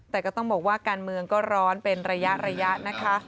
แต่ก็ต้องบอกว่าการเมืองก็ร้อนเป็นระยะนะคะ